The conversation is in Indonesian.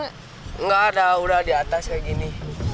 tidak ada udah di atas kayak gini